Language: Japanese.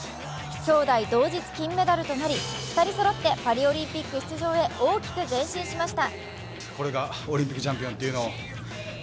きょうだい同日金メダルとなり、２人そろってパリオリンピック出場へ大きく前進しました。